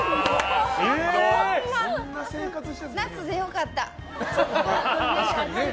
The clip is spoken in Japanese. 夏で良かった。